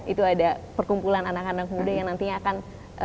itu ada perkumpulan anak anak muda yang nantinya akan